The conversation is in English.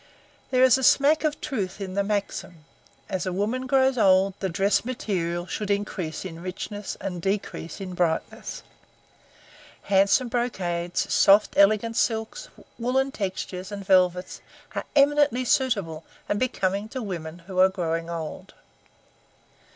There is a smack of truth in the maxim, As a woman grows old the dress material should increase in richness and decrease in brightness. Handsome brocades, soft, elegant silks, woollen textures, and velvets are eminently suitable and becoming to women who are growing old.